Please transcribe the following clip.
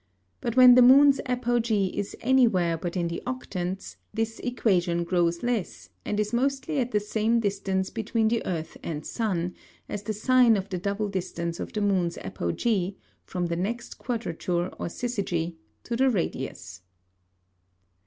But when the Moon's Apogee is any where but in the Octants, this Equation grows less, and is mostly at the same distance between the Earth and Sun, as the Sine of the double Distance of the Moon's Apogee, from the next Quadrature or Syzygy, to the Radius.